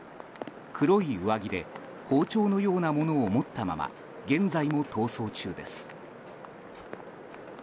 黒い上着で包丁のようなものを持ったまま現在も逃走中です。